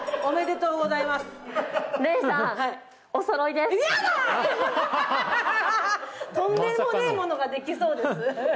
とんでもねえものができそうです。